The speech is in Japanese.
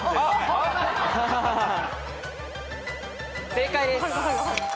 正解です。